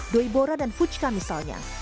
doi bora dan fuchka misalnya